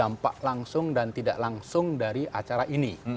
dampak langsung dan tidak langsung dari acara ini